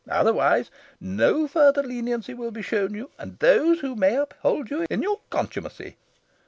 Otherwise, no further leniency will be shown you and those who may uphold you in your contumacy."